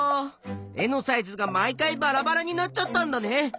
絵のサイズが毎回バラバラになっちゃったんだね。